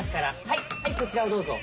はいはいこちらをどうぞ！